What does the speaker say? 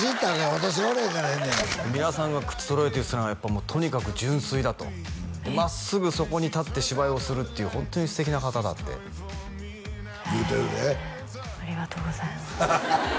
私がおらんからええねや皆さんが口揃えて言ってたのはとにかく純粋だと真っすぐそこに立って芝居をするっていうホントに素敵な方だって言うてるでありがとうございます